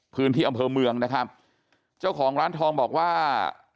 พื้นที่อำเภอเมืองนะครับเจ้าของร้านทองบอกว่า